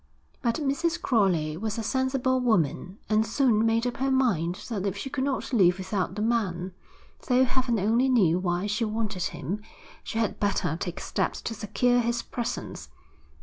But Mrs. Crowley was a sensible woman and soon made up her mind that if she could not live without the man though heaven only knew why she wanted him she had better take steps to secure his presence.